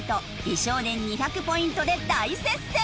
美少年２００ポイントで大接戦。